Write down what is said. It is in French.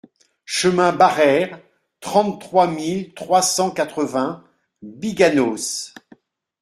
Chemin Barreyres, trente-trois mille trois cent quatre-vingts Biganos